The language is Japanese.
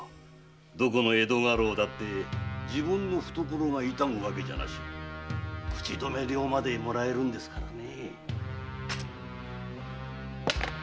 どこの江戸家老だって自分の懐が痛むわけじゃなし口止め料までもらえますからね。